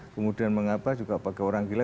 kemudian mengapa juga pakai orang gila